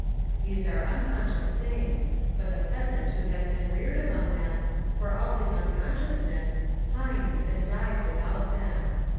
These are un conscious things, but the peasant who has been reared among them, for all his unconsciousness, pines and dies without them.